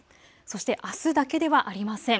そして、あすだけではありません。